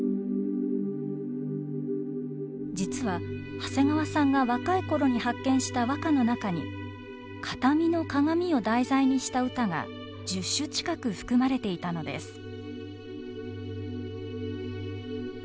実は長谷川さんが若い頃に発見した和歌の中に「形見の鏡」を題材にした歌が１０首近く含まれていたのです。